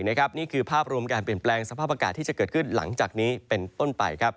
นี่คือภาพรวมการเปลี่ยนแปลงสภาพอากาศที่จะเกิดขึ้นหลังจากนี้เป็นต้นไป